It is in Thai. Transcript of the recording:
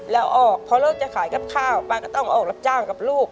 แล้วออกเพราะเลิกจะขายกับข้าวป้าก็ต้องออกรับจ้างกับลูก